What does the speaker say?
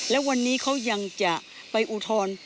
และวันนี้เขายังจะไปอุทธรณ์